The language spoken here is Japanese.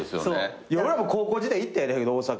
俺らも高校時代行ったよね大阪。